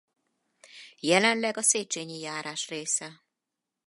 Jelenleg a Szécsényi járás része.